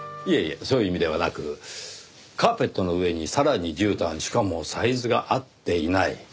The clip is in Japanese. いえいえそういう意味ではなくカーペットの上にさらに絨毯しかもサイズが合っていない。